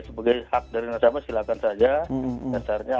sebagai hak dari nasabah silakan saja